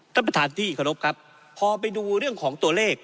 ท่านประธานที่เคารพครับพอไปดูเรื่องของตัวเลข